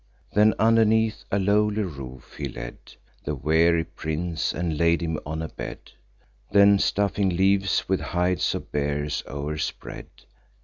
Then underneath a lowly roof he led The weary prince, and laid him on a bed; The stuffing leaves, with hides of bears o'erspread.